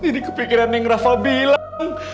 jadi kepikiran yang raffa bilang